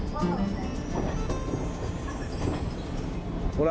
ほら。